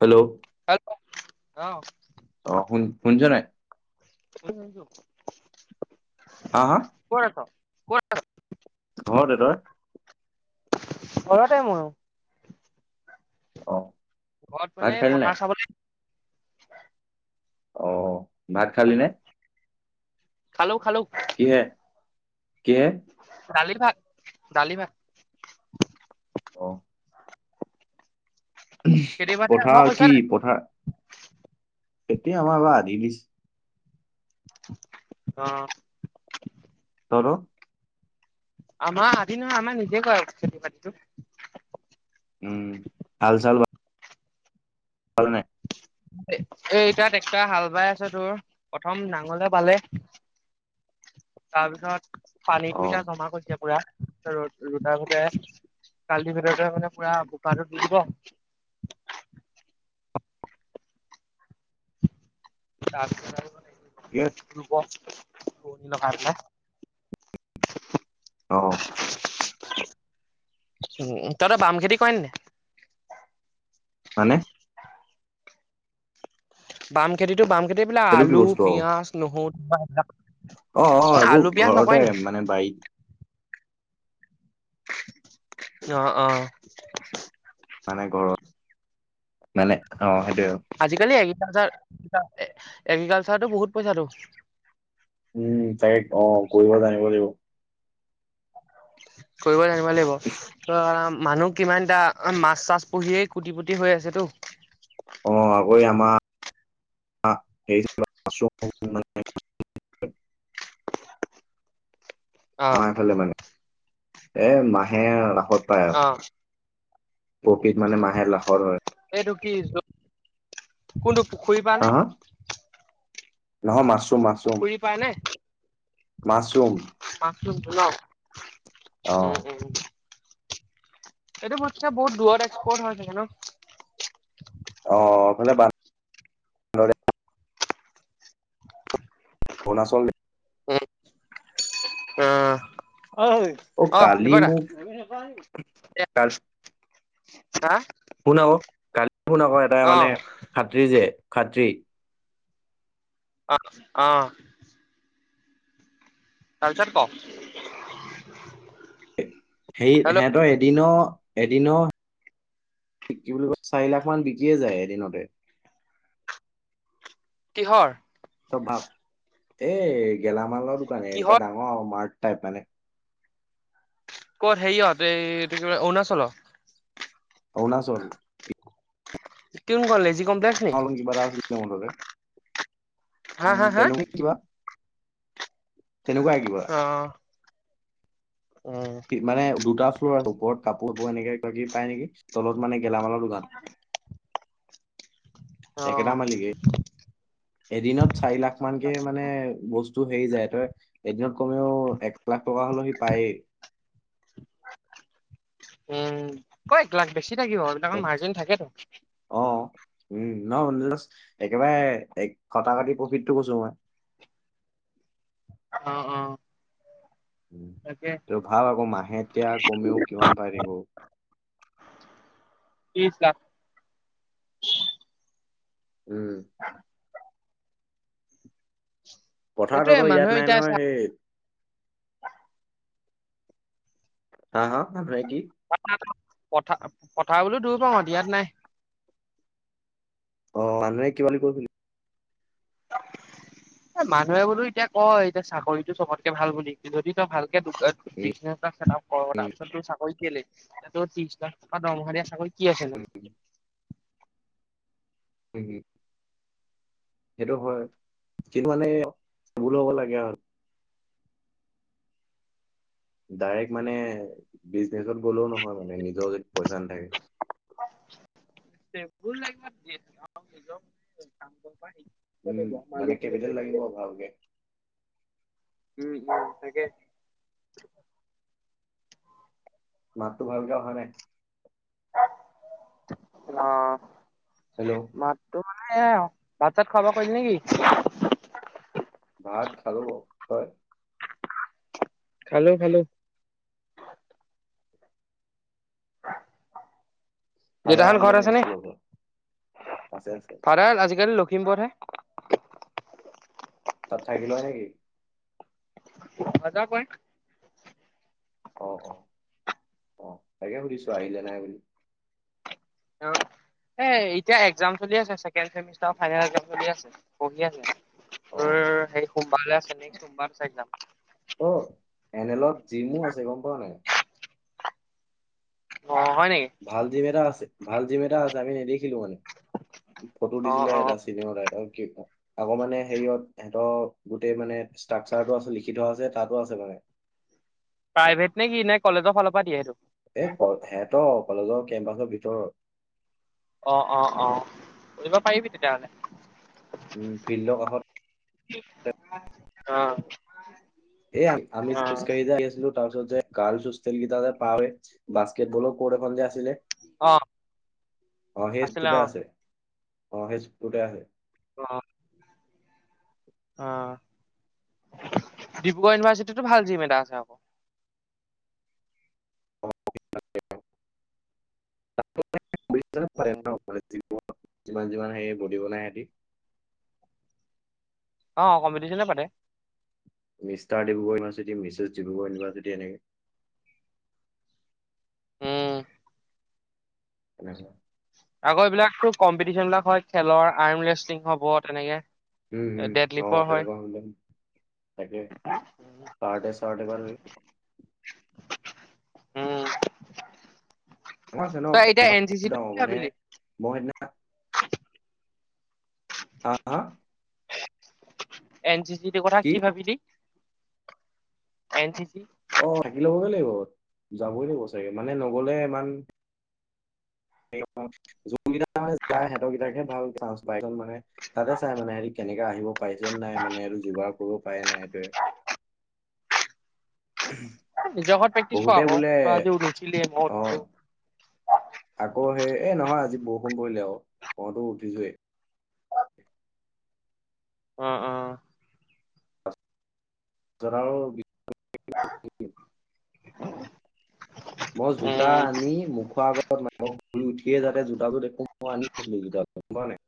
Hello. অ। অ হুন শুনিছ নাই? ক'ত আছ হা হা ক'ত আছ। ঘৰতে তই? ঘৰতে মইয়ো। অ। ঘৰত ভাত মানে খালি নাই পথাৰ চাব। অ ভাত খালি নে? খালোঁ খালোঁ। কিহে কিহে? ডালি ভাত ডালি ভাত। অ। খেতি বাতি আৰম্ভ পঠা কৰিছা কি নাই? পঠা। এতিয়া আমা আমা আধি দিছো। অ'। আৰু আমাৰ আদি নহয় আমাৰ নিজে কৰে খেতি বাতি টো। উম, হাল চাল [unintelligible] নাই। এ - এতিয়া ট্ৰেক্টৰ হাল বাই আছে তোৰ। প্ৰথম নাঙলে বালে। তাৰপিছত অ পানীটো এতিয়া জমা কৰিছে পুৰা ৰদ ৰদাবলে। কালি ভিতৰতে মানে পুৰা [unintelligible] দি দিব। [inaudible] ঠিকে [unintelligible] [unintelligible] অ'। উ তহতৰ বাম খেতি কৰেনে নাই? হয়নে? বাম খেতিটো বাম খেতি বিলাক সেইটো কি আলু, বস্তু অ পিয়াজ, নহৰু [unintelligible] অ' অ' এইবোৰ আলু পিয়াজ ঘৰতে নকয় নি? মানে বাৰীত অ' অ'। মানে ঘৰত। মানে অ' সেইটোৱে আৰু। [unintelligible] এগ্ৰিকালচাৰতো বহুত পইচা তো। উম তাকে অ কৰিব জানিব লাগিব। কৰিব জানিব লাগিব [unintelligible] আৰাম মানুহ কিমানটা মাছ চাছ পুহিয়েই কুটি পুটি হৈ আছে তো। অ আকৌ এই আমাৰ [unintelligible] অ' এইফালে মানে। এ মাহে লাখত পায় আৰু। অ', প্ৰফিত মানে মাহে লাখত হয়। এইটো কি কোনটো পুখুৰী পা হা নে? হা নহয় মাছ। পুখুৰী পায় নে? মাছৰুম। [unintelligible] ন'? অ উম উম উম। এইটো বৈটছে বহুত দূৰত এক্সপৰ্ট হৈ থাকে ন? অ' এইফালে [unintelligible] অৰুণাচলে। অহ। অই, অ অহ কালি দীপক দা মোক [unintelligible] কাৰ হা? শুন আক' কালি শুন আক' এটাই মানে অ', খাত্ৰী যে খাত্ৰী অ', অহ। তাৰপিছত ক? সেই হেল্ল' সেহেঁতৰ এদিনো - এদিনো কি বুলি কয়, চাৰি লাখ মান বিকিয়ে যায় এদিনতে। কিহৰ? তই ভাৱ। এ গেলামালৰ দোকান। এনেকুৱা কিহৰ ডাঙৰ আৰু মাৰ্ট। টাইপ মানে। ক'ত হেৰিয়ত, এই এইটো কি বোলে অৰুণাচলত? অৰুণাচল। জিকিম কলে জিক [unintelligible] কিবা এটা আছিলে মুঠতে। উম, তেনেকুৱাই কিবা। তেনেকুৱাই কিবা। অ উম কি মানে দুটা ফ্ল'ৰ ওপৰত কাপোৰবোৰ এনেকে [unintelligible] পাই নেকি? তলত মানে গেলামালৰ দোকান। অ একেটা মালিকে। এদিনত চাৰি লাখ মানকে মানে বস্তু হেৰি যায়। তই এদিনত কমেও এক লাখ টকা হলেও সি পায়েই। উম, কই লাখ বেছি থাকিব। তাত এইবিলাকৰ মাৰ্জিন থাকেতো। অ উম, ন'? [unintelligible] একেবাৰে এক খটা-খাটি প্ৰফিটটো কৈছোঁ মই। [inaudible] অ' - অ'। উম। তাকে তো ভাব আকৌ, মাহে এতিয়া কমেও কিমান বাঢ়িব। ত্ৰিশ লাখ। উম। পথাৰত এইটোয়ে আৰু মানুহে ইয়াত নাই এতিয়া চা নহয়। সেই হা- হা? মানুহে কি [inaudible] পথা- পথাৰ বোলোঁ দূৰ পাওঁ, ইয়াত নাই। অ' আনে কিবা বুলি কয় বুলি অ' মানুহে বোলো এতিয়া কয়, এতিয়া চাকৰিটো চবতকে ভাল বুলি। যদি তই ভাল কে দো- অ' বিজনেছ এটা ছেটাপ কৰ', তাৰপিছত তোৰ চাকৰি কেলে? এতিয়া তোৰ ত্ৰিছ লাখ টকা দৰমহা দিয়া চাকৰি কি আছে নো? উম। সেইটো হয়। কিন্তু মানে- বোল হ'ব লাগে আ ডাইৰেক্ট মানে বিজনেছত গ'লেও নহয় মানে, নিজৰ যদি পইছা নাথাকে। [unintelligible] হ'ব দিয়া। মালিক উম, যদি মানে কেপিটেল লাগিব কৰি ভালকে। থাকিলে ৰক্ষা উম - উম, তাকে। মাতটো ভালকে অহা নাই। অ' মাতটো অ', হেল্ল' ভাত-চাত খোৱা-বোৱা কৰিলি নেকি? ভাত খালোঁ বাৰু। তই? খালোঁ - খালোঁ। ফাদাৰ দেটাহঁত আহিলে ঘৰত নাই আছে নে? স্কুলৰ পৰা? আছে আছে। ভাড়াৰ আজিকালি ল লক্ষীমপুৰ হে। তাত থাকি লয় নেকি? অহা-যোৱা কৰে। অ' - অ'। অ' তাকে সুধিছোঁ আহিলে নাই বুলি। অ'। এই এতিয়া এক্জাম চলি আছে। ছেকেণ্ড চেমিষ্টাৰ ফাইনেল এক্জাম চলি আছে। পঢ়ি আছে। অ' সেই সোমবাৰলৈ আছে নে। সোমবাৰ চাই যাম। অ', এন এল'ত জিমো আছে, গম পাৱ নাই? অ হয় নেকি? ভাল জিম এটা আছে- ভাল জিম এটা আছে আমি নেদে দেখিলোঁ মানে। ফটো অ দিছিলে অ এটা চিনেমাৰ ৰাই আক' মানে সেইহত, সেহঁতৰ গোটেই মানে ষ্ট্ৰাকচাৰটো আছে লিখি থোৱা আছে, তাতো আছে মানে। [inaudible] প্ৰাইভেট নে কি? নে কলেজৰ ফালৰ পৰা দিয়ে সেইটো? এ- অ' হেতৰ কলেজৰ কেম্পাছৰ ভিতৰত। অ' - অ' - অ', কৰিব পাৰিবি তেতিয়াহলে। উম, ফিল্ডৰ কাষত। অ'। এ আমি অ যে খোজকাঢ়ি যে আহি আছিলোঁ, তাৰ ওচৰত যে গাৰ্লছ হোষ্টেল কেইটা যে পাৰ হৈ, বাস্কেটবলৰ কোৰ্ট এখন যে আছিলে? অ আছিলে সেইটোতে অ আছে। অ সেইচুকটোতে আছে। অ অ। অহ। ডিব্ৰুগড় ইউনিভাৰ্চিটিটো ভাল জিম এটা আছে আকৌ। উম [unintelligible] যিমান যিমান সেই বডিবনাই হেটি। অ কম্পিটিশনে পাতে। Mister Dibrugarh university, Mrs Dibrugarh university এনেকে। [inaudible] উম এ। আকৌ এইবিলাকো কম্পিটিশন বিলাক হয়, খেলৰ আৰ্মৰেষ্টলিং হব তেনেকে। উম, ডেড অ লিফৰ হয় তেনেকুৱা হলে। তাকে। চাৰ তাকে ধৰি। উম। আছে ন। তই কেম এতিয়া এন চি বহুত চি টো ডাঙৰ কি মানে ভাবিলি মও সিদিনা। হা। এন চি চি টো কথা কি ভাবিলি? N C C. অ থাকি ল'বগে লাগিব। যাবই লাগিব চাগে মানে নগলে ইমান। যোন কেইটা তোমাৰ যায় সেতকিতাক হে ভাল চান্স পাই। দুজন মানে তাতে চাই মানে হেৰি কে। এনেকে আহিব পাৰিছ নাই মানে আৰু যোগাৰ কৰিব পাৰে নাই? সেইটোৱে। নিজ ঘত প্ৰেক্টিছ কৰা আকৌ। তই আজিও নুঠিলিয়ে, মই অ উঠিছো। আকৌ সেই এ নহয় আজি বৰষুণ পৰিলে আ। পতো উঠিছোৱেই। অ অ। [unintelligible] মই জোতা উম আনি মুখোৱা আগত মই শুই উঠিয়ে যাতে জুতাজো দেখো। [unintelligible] আনি থৈছোঁ জোতা, গম পাৱ নাই।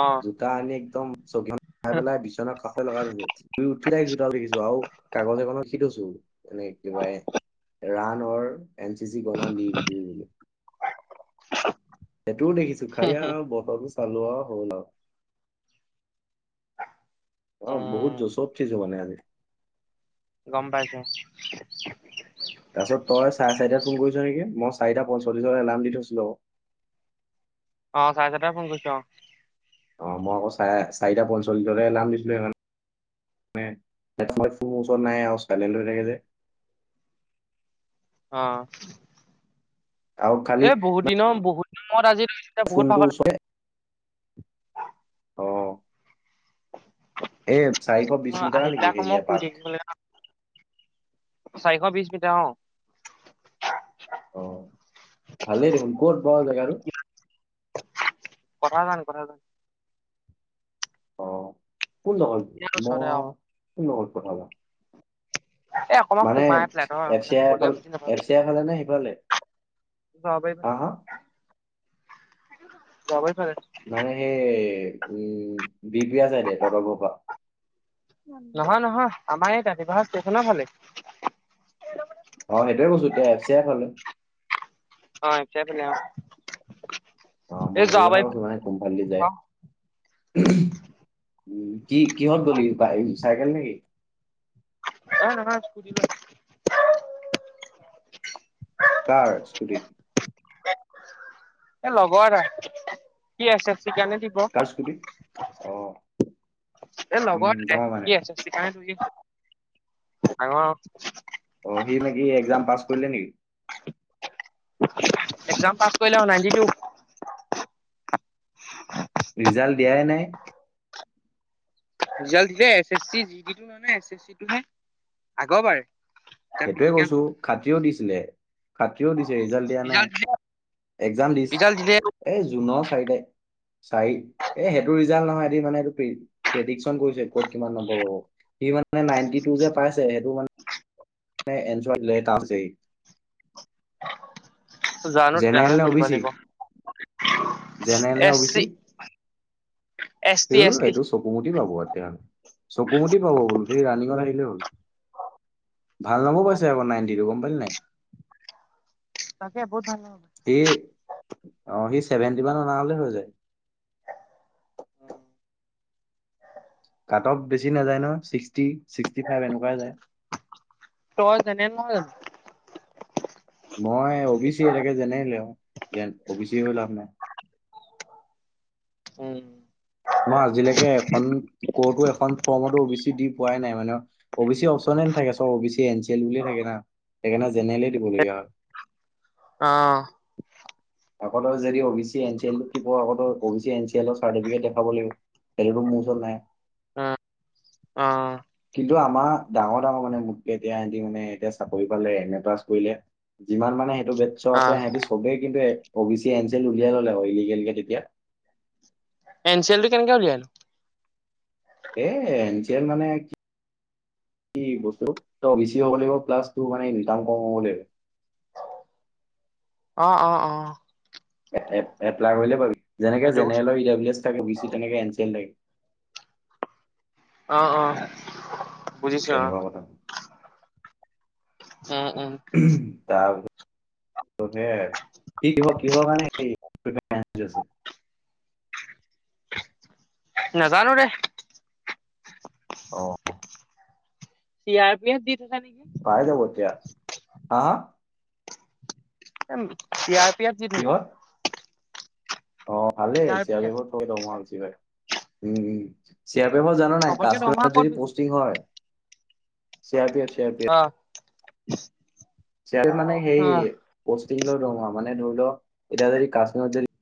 অ জোতা আনি একদম চকিখন থাই পেলাই বিচনা কাষত লগাই থৈছে। নুঠিলেই জোত ও দেখিছো আউ কাগজ এখনত সিথৈছো। এনে কিবাই। ৰাণ অৰ এন চি চি গনা লি বুলি লোঁ। সেইটোও দেখিছো, খাই আৱ বছৰটো চালো আৱ, হ'ল আউ। অ বহুত উম জছত উঠিছে মানে আজি। গম পাইছে। তাৰছত তই চাই চাৰিটাত ফোন কৰিছ নেকি? মই চাৰিটা পঞ্চল্লিশ এলাৰ্ম দি থৈছিলো আকৌ। [inaudible] অ চাৰে চাৰিটাতে ফোন কৰিছোঁ অ। অ, মই আকৌ চাৰে চাইটা পঞ্চল্লিছলে এলাম দিছিলে সেইখন। মই ফোন ওচৰত নাই আৱ চাইলেন হৈ থাকে যে। অ। আৰু খালি এ বহুত দিনৰ বহুত দিনৰমুৰত আজি তুমি। বহুত ফোনটো ভাগৰ। ওচৰত অ এই চাৰিশ বিশ অ মিটাৰ আহি নেকি পেলাই আকৌ হেৰি মই শুই এপাক থাকিবলে আ চাৰিশ বিশ মিটাৰ অ। অ ভালেই দেখোন ক'ত বাৰু জেগাটো? কঠাজান কঠাজান। অ কোন দখৰ ইয়াৰ ম! ওচৰতে আৰু কোন দখৰ কঠাজান? এ অকমান মানে সোমাই ফ্লেটৰ এফ মানে চিয়াই কলে ফালে, বুজি নাপাবি এফ চিয়াই ফালে নে সিফালে? হা হা [unintelligible] মানে সেই উম বিপিয়া চাইডে তহতৰ ঘৰ পৰা? নহয় নহয় আমাৰ এই তাতিপাহা ষ্টেচনৰ ফালে। অ সেইটোৱে কৈছো এতিয়া এফচিয়াই ফালে। অ এইফালে এইফালে অ। অঁ মই এই সেইটো কথা যোৱাবাৰী কৈছো মানে কোন ফালে দি যায়। অ উ কি কি কিহত গলি চাইকেল নেকি? এ নহয় স্কুটি লৈ আহিছিলোঁ। কাৰ স্কুটি? এ লগৰ এটাৰ সি এছ এছ কি কাৰণে দিব। কাৰ স্কুটি অ এ উম লগৰ এটাই ডাঙৰ মানে সি এছ এছ চি কাৰনে জুজি আছে, ডাঙৰ অ সি নেকি এক্সাজ পাছ কৰিলে নেকি? এক্সাম পাছ কৰিলে অ নাইন্টি টু। [unintelligible] ৰিজাল্ট দিয়াই নাই। ৰিজালট দিলে S S C G ditto নহয় নহয় এছ এছ চি টোহে আগৰ বাৰ। সেইটোৱে কৈছো খাত্ৰীও দিছিলে খাত্ৰীও দিছে ৰিজাল্ট দিয়া নাই। এক্সাম দিছ ৰিজাল্ট দিলে এ জুনৰ চাৰি তা চাৰি এ সেইটো ৰিজাল্ট নহয়। সিঢ মানে‌ এইটো প্ৰেদিকচন কৰিছে কত কিমান নম্বৰ পাব, সি মানে নাইন্টি টু যে পাইছে সেইটো মা এই এল জি লেট আছে সি। জানো জেনেৰেল তেতিয়াহ'লে নে অ সুধিব বি চি? লাগিব জেনেৰেল নে O B C? S T ইউ এছ টি এইটো চকু মুদি পাব তেতিয়া হ'লে। চকু মুদি পাব বোলো, সি ৰানিঙত আহিলেই হ'ল। ভাল নম্বৰ পাইছে তাকে আকৌ নাইন্টি টু গম পালি নাই? তাকে বহুত ভাল নম্বৰ সি পাইছে। অ সি ছেভেন্টি মান অনা হ'লে হৈ যায়। উম। কাট-আউট বেছি নাযায় নহয় ছিক্সটি ছিক্সটি ফাইভ এনেকুৱাহে যায়। তই যেনে নহয় জানো মই অ বি চি এনেকে জেনেৰেল আৰু জেন অ বি চি হৈ লাভ নাই। [inaudible] উম। মই আজিলৈকে এখন ক'তো এখন ফ্ৰমটো অ বি চি দি পোৱাই নাই মানে অ বি চি অপশচনে নাথাকে চব O B C N C L বুলি থাকে না সেইকাৰণে জেনেৰেলে দিবলগীয়া হয়, অ', আকৌ টো যদি O B C N C এলটো কৰ' অক তই O B C N C এলৰ চাৰ্টিফিকেট দে খাব লাগিব সেইটোটো মোৰ ওচৰত নাই। উ অঁ। কিন্তু আমাৰ ডাঙৰ ডাঙৰ মানে মোতকে এতিয়া সিহঁতি মানে এতিয়া চাকৰি পালে এম এ পাছ কৰিলে, যিমান মানে সেইটো বেডছৰ আছে অ', সিহঁতি চবেই কিন্তু O B C N C L উলিয়াই ল'লে ক তেতিয়া ইলিগেলকে তেতিয়া। এন চি এলটো কেনেকে উলিয়াই নো? এ এন চি এল মানে কি কি বস্তু ত বেছি হ'ব লাগিব প্লাছ মানে ইনকাম কম হ'ব লাগিব। [unintelligible] অ অ অ। এপ্লাই কৰিলে পাবি যেনেকে সেইটো কথা জেনেৰেলৰ এ থাকে তেনেকে এনচিল থাকে। অঁ অঁ। তেনেকুৱা কথা। উম উম। তাৰপিছত কি কি কিহ মানে এই। [unintelligible] নাজানো দেই। অ চি আৰ পি এফ দিমগে পাই যাব এতিয়া নেকি হা হা এ চি আৰ পি এফ দি কিহত থৈছ অ ভালে চি আৰ পি এফত তোৰ দৰমহা বেছি হয়। উম উম চি আৰ পিএফত জান নাই চবতকে দৰমহা গাছটিং ক'ত যদি বেছি দিয়ে? পষ্টিং হয়। C R P F C R P F [unintelligible] C R P F মানে সেই অ'। পৌস্তীংৰ দৰমহা মানে ধৰি লওক এতিয়া যদি কাছটিংত যদি